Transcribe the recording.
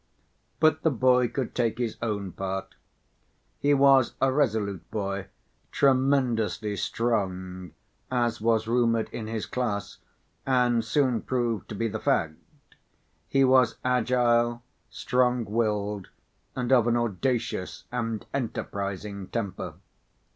But the boy could take his own part. He was a resolute boy, "tremendously strong," as was rumored in his class, and soon proved to be the fact; he was agile, strong‐willed, and of an audacious and enterprising temper.